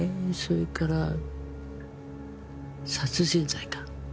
それから殺人罪か。